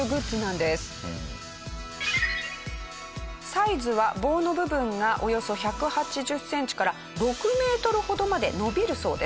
サイズは棒の部分がおよそ１８０センチから６メートルほどまで伸びるそうです。